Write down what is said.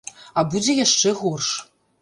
А будзе яшчэ горш.